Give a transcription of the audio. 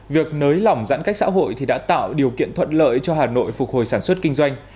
việc nới lỏng giãn cách xã hội đã tạo điều kiện thuận lợi cho hà nội phục hồi sản xuất kinh doanh